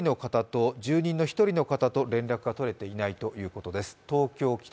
現在、住人の１人の方と連絡が取れていないということです。